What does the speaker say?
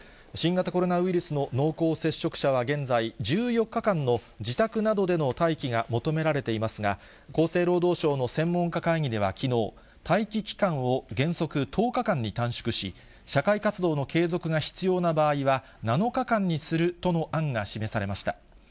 新型コロナウイルスの濃厚接触者は現在、１４日間の自宅などでの待機が求められていますが、厚生労働省の専門家会議ではきのう、待機期間を原則１０日間に短縮し、社会活動の継続が必要な場合は、７日間にするとの案が示されました。